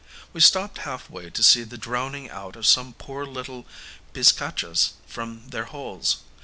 We stopped half way to see the drowning out of some poor little bizcachas from their holes.